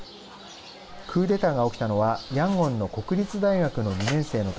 クーデターが起きたのはヤンゴンの国立大学の２年生の時。